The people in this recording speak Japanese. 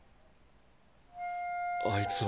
あいつは。